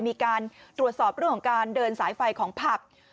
มีการตรวจสอบเรื่องของการเดินสายไฟของผับ